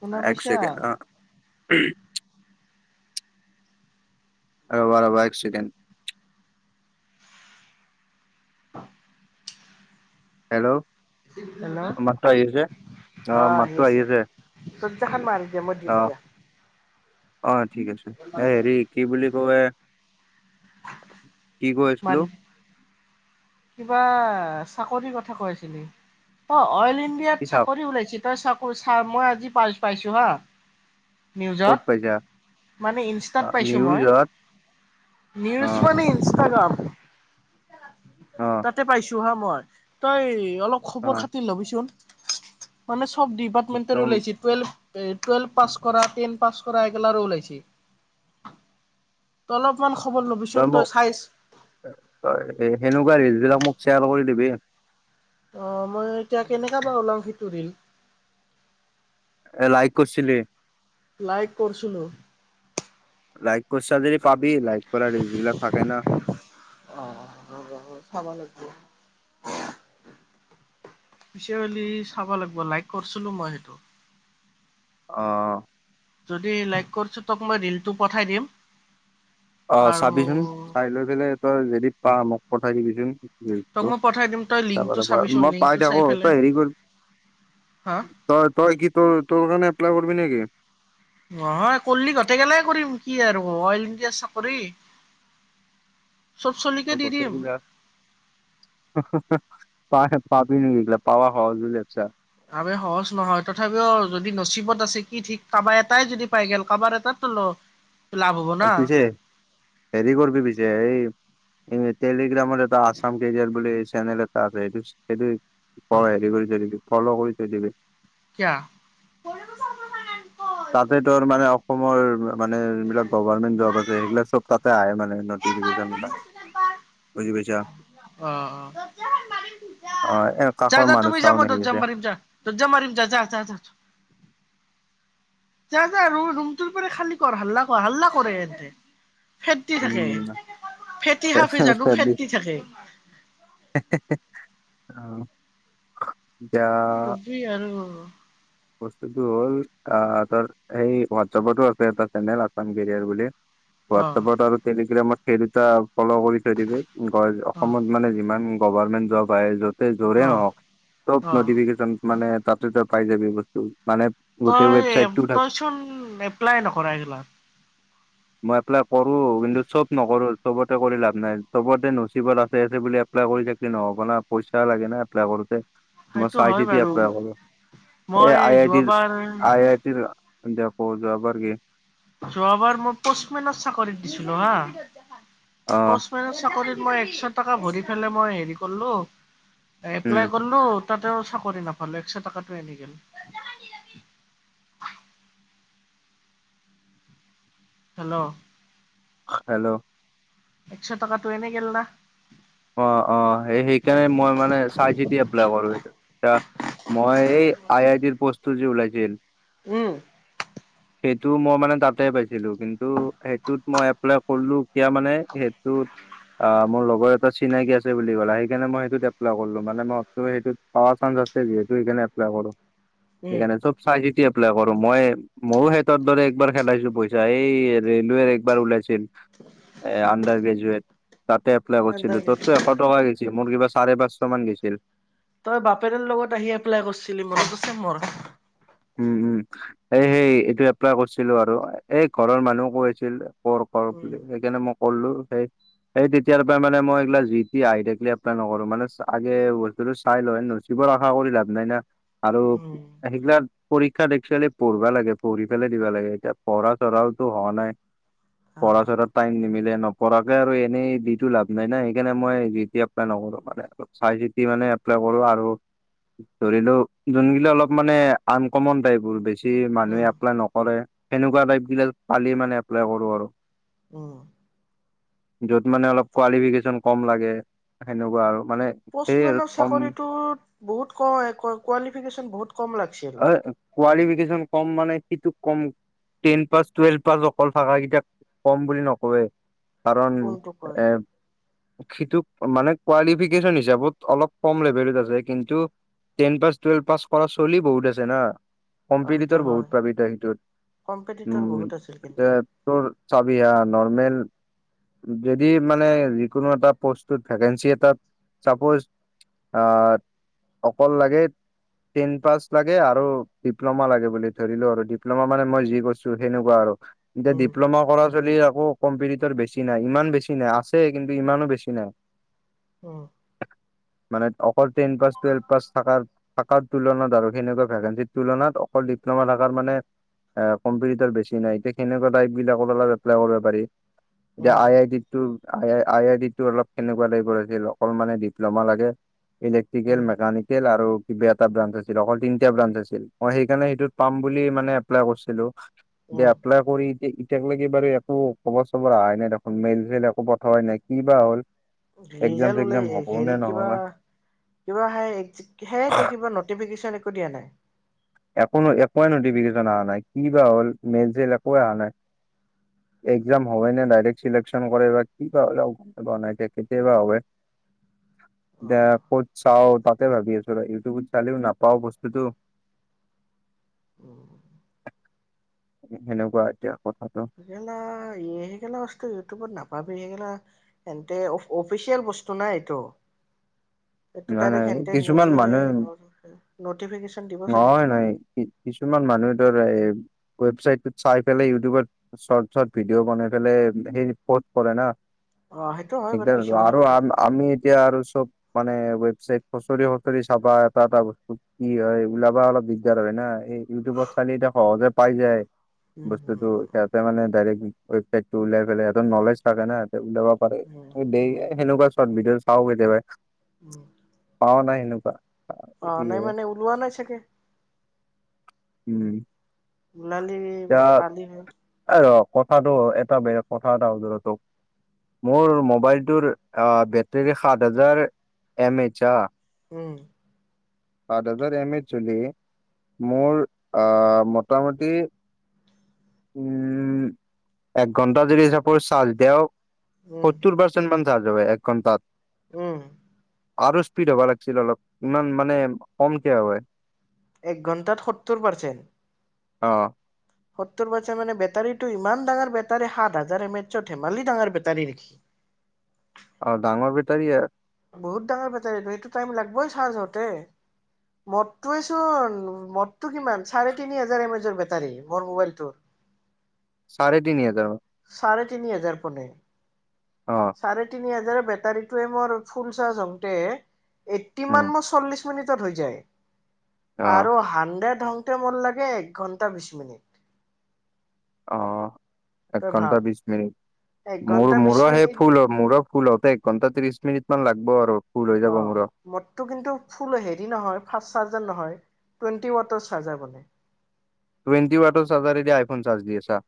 শুনা এক পাইছা? চেকেণ্ড আহ ৰবা ৰবা এক চেকেণ্ড হেল্ল' মাতটো আহিছে? আহ আহি আছে। দৰ্জাখন মাৰি দিয়া মই অ দিম দিয়া। অ ঠিক আছে এ হেৰি কি বুলি কয় কি কৈ আছিলো? মাৰি কিবা চাকৰি কথা কৈছিলি অ অইল কি ইণ্ডিয়াত চাওক চাকৰি ওলাইছিল। তই চাকো চা মই আজি পা পাইছো হা। ক'ত পাইছা নিউজত। মানে অ ইনষ্টাত পাইছোঁ মই নিউজত অ নিউজ মানে ইনষ্টাগ্ৰাম অ তাতে পাইছো হা মই তই অলপ অ খবৰ খাতি লবিচোন মানে চব ডিপাৰটমেণ্ট একদম ওলাইছে টোয়েলভ এ টুৱেলভ পাছ কৰা টেন পাছ কৰা এইগেলা আৰু ওলাইছে অলপমান খবৰ ল'বিচোন তই মোক চাইছ তই সেনেকুৱা ৰিলছ বিলাক মোক শ্বেয়াৰ কৰি দিবি। আহ মই এতিয়া কেনেকা বা ওলাম সিটো ৰিল এ লাইক কৰিছিলি লাইক কৰিছিলোঁ। লাইক কৰিছা যদি পা- লাইক কৰা ৰিল বিলাগ থাকে ন অ', অ পিছে হলি চাব লাগিব লাইক কৰিছিলো মই সেইটো অ যদি লাইক কৰিছো তক মই ৰিলটো পঠাই দিম অ আৰু চাবিচোন। চাই লৈ পেলাই তই যদি পাৱ মোক পঠাই দিবিচোন? তোক ৰিলছটো মই পঠাই দিম তই চাব লিংকটো লাগিব চাবিচোন মই লিংকটো পাই চাই থাকো, ত পেলাই হেৰি কৰি হা তই তই কি তোৰ তোৰে এপ্লাই কৰিবি নেকি? নহয় কলি গোটেই গেলাই কৰিম কি আৰু অইল ইণ্ডিয়া চাকৰি। [inaudible] আৰু দি কথ দিম প যা [unintelligible] প পাবি সেইবিলাক পাৱা সহজ‌‌ বুলি ভাবিছ, আ সহজ নহয় তথাপিও যদি নচিবত আছে কি ঠিক কাৰোবাৰ এটাই যদি পাই গল কাৰোবাৰ এটাত তল পিছে হেৰি কৰিবি পিছে এই এই তেল- গ্ৰামৰ এটা আছাম কেৰিয়াৰ বুলি চেনেল এটা আছে সেইটো সেইটো ক হেৰি কৰিথৈ দিবি। ফলৌ কৰি থৈ দিবি। কিয়া। তাতে তৰ মানে অসমৰ- মানে যোনবিলাক গভাৰমেন্ট জব আছে সেইবিলাক চব তাতে আহে মানে অ নটিফিকেশচন বা- বুজি পাইছা। অ অ। অ এ যা কাষৰ যা মানুহ তুমি যা চাউন ত আহি জাপ আছে মাৰিম যা তত জাপ মাৰিম যা যা যা যা। [unintelligible] যা যা ৰু ৰুমটোৰ পৰা খালী কৰ হাল্লা কৰ হাল্লা কৰে এহতে। ফেট দি থাকে উম। ফেটি সাপে জানো ফেট দি থাকে। হে হে হে অঁ। কবি আৰু। বস্তুতটো হ'ল আহ তাৰ সেই হোৱাটছপতো আছে এটা চেনেল আচাম কেৰিয়াৰ বুলি। অ হোৱাটছেপত আৰু টেলিগ্ৰামত ফেৰিতা- ফল' কৰি থৈ দিবি অ অসমত মানে যিমান গভাৰমেন্ট জব আহ য'ত- জৰে অ নহওক চব অ নটিফিকেশ্যন মানে তাতে তই পাই যাবি বস্তু। মানে গোটেই তই ৱেবচাইটটো থাক তই চোন এপ্লাই ন কৰাই গিলা। মই এপ্লাই- কৰো কিন্তু চব নকৰো চবতে কৰি লাভ নাই চবতে নচিবত আছে আছে বুলি এপ্লাই কৰি থাকিলে নহব। হব না পইচা লাগে না এপ্লাই কৰোতে। মই সেইটো চাই হয় চিটি বাৰু এপ্লাই কৰো এ মই আই আই টিৰ যোৱাবাৰ আই আই টিৰ- সন্ধিয়া প যোৱা বাৰগে। যোৱাবাৰ মই পষ্টমেনৰ চাকৰিত দিছিলো হা অ পষ্টমেনৰ চাকৰিত- মই একশ টকা ভৰি পেলাই মই হেৰি কৰলো উম এপ্লাই কৰিলো- তাতেও চাকৰি নাপালে একশ টকাটো এনেই গেল। হেল্ল'। হেল্ল'। একশ টকা তু এনেই গেল না। অ অ সে সেইকাণে মই মানে চাই চি এপ্লাই কৰো সেইটো। মই এই আই আইটিৰ প্ৰষ্টটো যে ওলাইছিল। উম। সেইটো মই মানে তাতে পাইছিলো কিন্তু, সেইটোত মই এপ্লাই কৰিলো কিয় মানে- টোত অ মোৰ লগৰ এটা- চিনাকি আছে বুলি ক'লে সেইকাৰণে মই সেটোত এপ্লাই কৰিলো মানে ম সেইটোত পোৱা চান্ঞ্চ আছে যিহেতু সেইকানে এপ্লাই- উম সেইকাৰণে চব চাইহে- এপ্লাই কৰো মই ময়ো হেতৰ দৰে একবাৰ খেলাইছিলো পইচা এই ৰেলৱেৰ একবাৰ ওলাইছিল। এ আণ্ডাৰ গ্ৰেজুেৱেট তাতে এপ্লাই- ছিলো তাকে ত'তো এশ টকা গৈছিল মোৰ কিবা চাৰে পাঁচশ মান গৈছিল। তই বাপেৰৰ লগত আহি এপ্লাই কৰিছিলি মনত আছে মৰ। উম উম এই সেই এইটো এপ্লাই কৰিছিলো আৰু এই ঘৰৰ মানুহ কৈ আছিল কৰ- উম বুলি সেইকাৰণে মই কৰলো সেই- সেই তেতিয়াৰ পৰাই মানে মই এইগিলা জি টি আহি থাকিলে এপ্লাই নকৰো মানে আগে বস্তুতটো চাই লয় ন। বৰ আশা কৰি লাভ নাই না আৰু উম সেইগিলাক- পৰীক্ষাত একচুৱেলি পঢ়িবা লাগে পঢ়ি পেলাই দিবা লাগে এতিয়া পঢ়া চৰাওতো হোৱা নাই। পঢ়া আহ চৰা টাইম নিমিলে। নপৰাকে আৰু এনেই দিটো লাভ নাই না সেইকাৰণে মই যেতিয়া এপ্লাই নকৰো মানে অলপ চাই চিতি মানে- প্লাই কৰো আৰো ধৰিলো জোনগিলা অলপ মানে- আনকমন টাইপবোৰ বেছি উম মানুহে এপ্লাই নকৰে। সেনেকুৱা টাইপ বিলাক পালি মানে এপ্লাই কৰো আৰু। উ। যত মানে অলপ কোৱালিফিকেশচন কম লাগে সেনেকুৱা আৰু মানে সেই আৰু পষ্টমেনৰ কম চাকৰিটোত বহুত ক কোৱালিফিকেশচন বহুত কম লাগিছিল। এ কোৱালিফিকেশ্যন কম মানে সেইটো কম টেন পাছ টুৱেলভ পাছ অকল ভাষ কেইটাক কম বুলি নকয় কাৰণ কোনটো কয় এ সিটো মানে কোৱালিফিকেশচন হিচাপত অলপ কম লেভেলত আছে কিন্তু টেন পাছ টুৱেলভ পাছ কৰা ছোৱালী লি বহুত আছে না অ সেইটো কম্পিটিটৰ হয় বহুত পাবিত সেইটোত কম্পিটিটৰ উম বহুত আছিল কিন্তু এ তোৰ চাবি হা নৰৰ্মেল যদি মানে যিকোনো এটা পষ্টত ভেকেঞ্চি এটাত চাপজ আহ অকল লাগে টেন পাচ লাগে আৰু ডিপ্ল'মা লাগে বুলি ধৰিলো আৰু ডিপ্ল'মা মানে মই যি কৰিছো সেনেকুৱা আৰু এতিয়া উম ডিপ্ল'মা কৰা চলি আকৌ কম্পিটিটৰ বেছি নাই ইমান বেছি নাই আছে কিন্তু ইমানো বেছি নাই অ মানে অকল টেন পাছ টুৱেল্ভ পাছ থ থকাৰ তুলনাত ধাৰক [unintelligible] সেনেকুৱা ভেকেঞ্চিৰ তুলনাত অকল ডিপ্ল'মা থকাৰ মানে এ কম্পিটিটৰ বেছি নাই এতিয়া কেনেকুৱা টাইপ বিলাকৰ অলপ এপ্লাই কৰিব পাৰি [unintelligible] এতিয়া উম আই আইটিটো আই আই আই আই টি টো অলপ কেনেকুৱা টাইভ আছিল অকল মানে ডিপ্ল'মা লাগে ইলেক্ট্ৰিকেল উম, মেকানিকেল আৰু কিবা এটা ব্ৰাড আছিল অকল তিনটা ব্ৰাইড আছিল অ সেইকাৰণে এইটোত পাম বুলি মানে এপ্লাই কৰিছিলো সেই উম, এপ্লাই কৰি [unintelligible] এ এতিয় লৈকে বাৰু একো খবৰ চবৰ অহাই নাই দেখোন মেইল চল একো পঠোৱাই নাই কিবা হ'ল। এক্সাম ৰিজাল্ট চেক্সাম উলাই হ'ব নে হেৰি নহ'বা। কিবা কিবা সেই তোৰ কিবা নটিফিকেচন একো ন একো ন নটিফিকেচন অহা নাই কি বা হল মেজ এক অহা নাই। এক্সাম হয়নে ডাইৰেক্ট চিলেকশ্যন কৰে বা কি বা নাইতিয়া কেতিয়াবা [inaudible] দে অ', ক'ত চাও তাতে ভাবি আছো ইউটিউবত চালিও না পাও বস্তুটো। সেনেকুৱা এতিয়া কথা এইগেলা বস্ত ইউটউবত না ভাবি সেই গেলা এন্তে অফিচিয়েল বস্তু নাই এইটো। এইটো নাই ডাইৰেক্ট নাই সেতে কিছুমান নিজে মানুহে নটিফিকেশচন দিব চাগে। নহয় নাই কি কিছুমান মানুহে ধৰ এ ৱেবচাইটত চাই পেলাই ইউটিউবত চৰ্ট চৰ্ট ভিডিঅ' বনাই পেলাই সেই পৰ্ত কৰে ন। অ', সেইটো হয় বাৰু স কিছুমানে আৰু কৰে। আমি এতিয়া আৰু চব মানে ৱেব চাইত খচৰি খচৰি চাবা এটা এটা বস্তু কি হয় ওলাবা অলপ দিগদাৰ হয় না এই ইউটিউব এতিয়া সহজে পায় যায় উম, বস্তুটো সিহতে মানে ডাইৰেক্ট বিক্ৰী কৰি পেলাই উলাইপেলাই সিহত উম, নলেজ থাকে ন সহতে ওলাব পাৰে উম, উম, সেনেকুৱা চট ভিডিঅ' [unintelligible] উম, পাও নাই সনেকুৱা অ নাই মানে উলোৱা নাই চাগে। উম। ইমান দেৰী এতিয়া পানি হয় কথাটো এটা বেয়া কথা এটা হোধো তোক মোৰ মোবাইলটোৰ বেটেৰী সাত হাজাৰ এম এইচ [unintelligible] উম সাত হাজাৰ এম এতচলে মোৰ আহ মোটামুটি উম এক ঘন্টা যদি হিচাপকৰো চাৰ্চ দিয়াও উম, সত্তৰ পাৰ্চেনমান চাৰ্চ হয় এক ঘণ্টাত উম আৰু স্পীড হ'ব লাগিছিল অলপ ইমান মানে কমকে হয়। এক ঘণ্টাত সত্তৰ পাৰ্চেণ্ট। অ। সত্তৰ পাৰ্চেণ্ট মানে বেটাৰীটো ইমান ডাঙৰ বেটাৰী সাত হাজাৰ এম এইচত ধেমালি ডাঙৰ বেটাৰী নেকি। [inaudible] অ ডাঙৰ বেটাৰী বহুত ডাঙৰ বেটাৰীটো সেইটো টাইম লাগিবই চাৰ্জ হওঁতে। মৰটোৱে চোন মৰটো কিমান চাৰে তিনি হাজৰ বেটাৰী মোৰ মোবাইলটোত। [inaudible] চাৰে তিনিহেজাৰ হয়। চাৰে তিনি হাজাৰ পৰে। অ চাৰে তিনি হাজাৰ বেটাৰীতোৱে মোৰ ফুল চাৰ্জ হওঁতে উম এইটটিমান ম চল্লিশ মিনিটত হৈ যায়। অ আৰু হান্দে ধংতে মোৰ লাগে এক ঘন্টা বিশ মিনিট অ। এক তই ঘন্টা ভাব বিশ মিনিট এক মোৰ ঘন্টা বিশ মোৰৰ সেই মিনিট ফুল মোৰো ফুল হওঁতে ঘণ্টা ত্ৰিশ মিনিট মান লাগব আৰু ফুল হৈ অ যাব মোৰো মোৰটো কিন্তু ফুল হেৰি নহয় ফাৰ্ষ্ট চাৰ্জাৰ নহয় টুৱেন্টি ৱাটাৰ চাৰ্জাৰ মানে। টুৱেণ্টি ৱাটৰ চাৰ্জাৰ এতিয়া আইফোন চাৰ্জ দি আছা।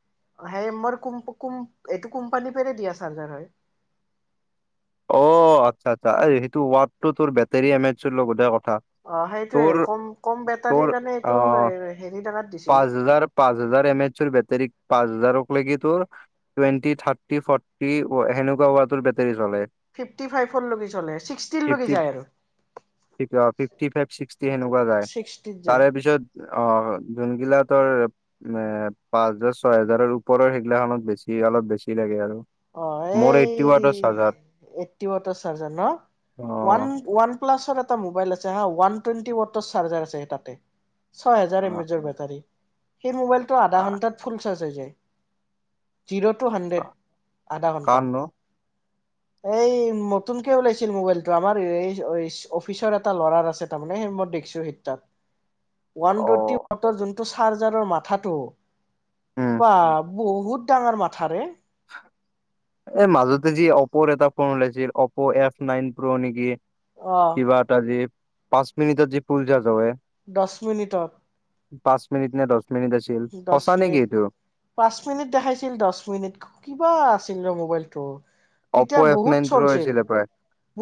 সেই মোৰ কোম কোম এইটো কোম্পানী পৰাই দিয়া চাৰ্জাৰ হয় অ আচ্ছা আচ্ছা এই সেইটো ৱটতোৰ তোৰ বেটৰী এম এজৰ লগতে কথা অ সেইটোৱে তোৰ কম কম বেটাৰীৰ কাৰণে অ এইটো হেৰি টকাত দিছে পাঁচ হাজাৰ পাঁচ হ জাৰ এম এছৰ বেটাৰী পাঁচ হাজাৰক লাগি তোৰ টুৱেন্টি, থাৰ্টি, ফৰ্টি সেনেকুৱা ৱাৰ্ডটৰ বেটাৰী চলে ফিফটি ফাইভৰলৈকে চলে ফিফটি ছিক্সিলৈকে যায় আৰু ফিফটি ফাইভ, ছিক্সটি সেনেকুৱা যায় ছিক্সটিত যায় তাৰে পিছত যোনগিলাক ৰ এ পাঁচ হাজাৰ ছয় হাজাৰৰ ওপৰৰ সেইগিলাখনত বেছি অলপ বেছি লাগে আৰু মোৰ এইতিৱাতৰ চাৰ্জাৰ এইটি চাৰ্জাৰ ন ওৱান অ ওৱান প্লাছৰ এটা মোবাইল আছে হা ওৱান টুৱেণ্টি ৱাটৰ চাৰ্জাৰ আছে তাতে ছয় হাজাৰ এমএচৰ বেটাৰী সেই মোবাইলটো আধা ঘন্টাত ফুল চাৰ্জ হৈ যায় জিৰ' টু হাণ্ড্ৰেড আধা ঘণ্টা কাৰ ন এই নতুন কে ওলাইছিল মোবাইলটো আমাৰ এই অফিচৰ এটা ল'ৰাৰ আছে তাৰমানে দেখসু সেত তাত ওৱান অ টুৱেন্টি ৱাৰ্ডটৰ যিটো চাৰ্জাৰৰ মাথাটো উম বহুত ডাঙৰ মাথা ৰে এই মাজতে যি অপ'ৰ এটা ফোন উওলাইছিল অপ' এফ নাইন প্ৰ' নেকি অ কিবা এটা যে পাঁচ মিনিটত যে ফুল চাৰ্জ হয় দহ মিনিটত পাঁচ মিনিট নে দশ দহ মিনিট পাঁচ মিনিট দেখাইছিল দশ মিনিট কিবা আছিল ৰ মোবাইলটো অপ' তেতিয়া এফ বহুত নাইন প্ৰ' চলছিল আছিলে প্ৰায়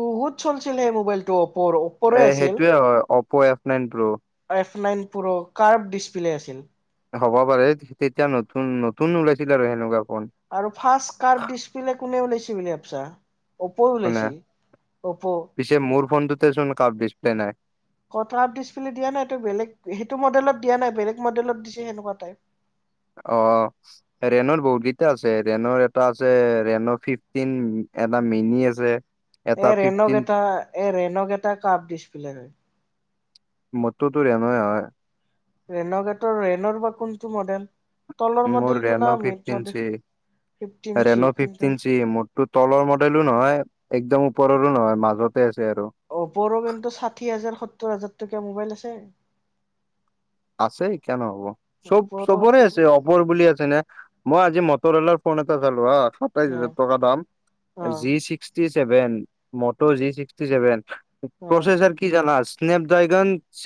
বহুত চলছিল সেই মোবাইলটো অপৰ অপৰে এ আছিল সেইটোয়ে হয় অপ' এফ নাইন প্ৰ' এফ নাইন প্ৰ কাৰ ডিছপ্লে আছিল হ'ব পাৰে তেতিয়া নতুন নতুন ওলাইছিল আৰু সেনেকুৱা ফোন আৰু ফ ডচপ্লে কোনে ওলাইছে বুলি ভাবিছা অপ' মানে ওলাইছে অপ' ক ডিছপ্লে নাই কলে নাই টো ম অ ৰেণুৰ বহুত কেইটা আছে ৰেণুৰ এটা আছে ৰেনু ফিফটিন এটা মিনি আছে এটা এই ৰেনক ফিফটিন এটা এই ৰেনক এটা কাপ ডচপ্লে হয় মোৰতো ৰেণয়ে হয় ৰেণকটোৰ ৰেণৰ বা কোনটো মডেল তলৰ মোৰ মডেলটো ৰেন' নাই মিট fifteen model C fifteen C Reno কিন্তু ফিফটঞ্চি মোৰটো তলৰ ম লো নহয় একদম ওপৰৰো নহয় মাজতে আ অপৰো কিন্তু ষাঠি হাজাৰ সত্তৰ হাজাৰ টকীয়া মোবাইল আছে আছে কন হ'ব চব চবৰে আছে অপৰ বুলি আছে ন মই আজি মটৰলাৰ ফোন এটা চালো আহ সাতাইশ হাজাৰ অ', টকা দাম অ', জিক্সি ছিক্স ভ মট জিক্সিছেভন অ', প্ৰচেছাৰ কি জ স্নেপ ড্ৰগন চ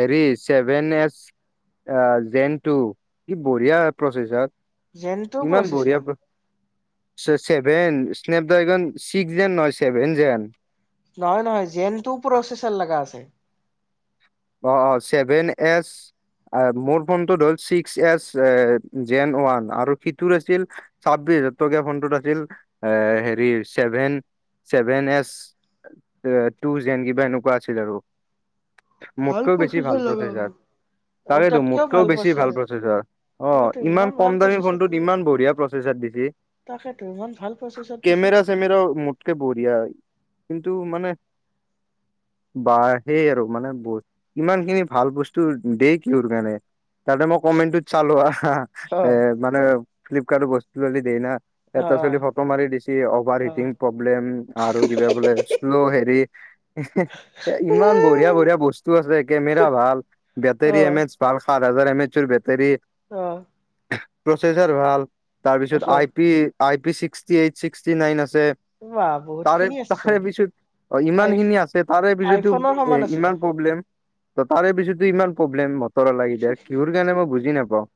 হেৰিচ ছেভেন এচ জেন টু কি বঢ়িয়া প্ৰচেচাৰ যেনটো ইমান প্ৰচেছৰ বঢ়িয়া ছেভেন স্নেপড্ৰগন ছিক্স যেন নহয় ছেভেন যেন নহয় নহয় জন টোও প্ৰচেচাৰ লগা আছে অ অ চছেভেন এছ আহ মোৰ ফটত হ'ল ছিক্স এচ জেন ওৱান আৰু ফিতুৰ আছিল চাব ত আ হে চছেভেন এচ টু জেন কিবা এনেকুৱা আছিল আৰু উ মোটকেও বেছি ভাল প্ৰচেছাৰ অ তাৰেটো তাতকেও মোতকৈও বেছি ভাল প্ৰচেছৰ প্ৰচেছাৰ অ তাকেতো ইমান ভাল কম দামী প্ৰচেছৰ ফোনটোত দিছে ইমান বঢ়িয়া প্ৰচেছাৰ তাকেতো ইমান ভাল প্ৰচেছৰ দিছে কমেৰা চমেৰা মোতে বঢ়িয় টো মানে বা সেই আৰু মানে কিমান খিনি ভাল বস্তু দেই কিহোৰ কাৰণে তাতে মই কমেন্টত চালো হা অ এ মানে ফ্লিপকাৰ্ট বস্তু বুলি দনা অ এটা চলি ফটো মাৰি দিছে অভাৰ অ হিটিং প্ৰব্লেম আৰু কিবা বোলে শ্ল' হেৰি ইমান বঢ়িয়া বঢ়িয়া বস্তু আছে কেমেৰা ভাল বেটৰী অ এম এচ ভাল পাত হাজাৰ এম এৰ বেটৰি অ প্ৰচেছাৰ ভাল তাৰপিছত অ I P I P sixty eight sixty nine আছে বা বহুত তাৰে খিনি আছেচোন তাৰে পিছত আই ইমান খিনি আছে তাৰে পিছতো আইফোনৰ সমান এ আছে ইমান ব্লেম ত তাৰে পিছতো ইমান প্ৰব্লেম বতৰ লাগি দিয়া কিহোৰ কাৰণে মই বুজি নাপাও